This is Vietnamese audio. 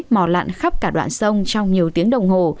mò lặn khắp cả đoạn sông trong nhiều tiếng đồng hồ